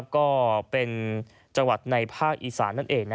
ก็เป็นจังหวัดในภาคอีสานนั่นเอง